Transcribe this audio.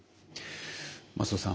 松尾さん